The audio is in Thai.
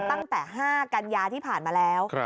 ตั้งแต่๕กันยาที่ผ่านมาแล้ว